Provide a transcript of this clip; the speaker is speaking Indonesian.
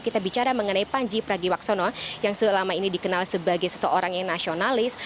kita bicara mengenai panji pragiwaksono yang selama ini dikenal sebagai seseorang yang nasionalis